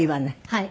はい。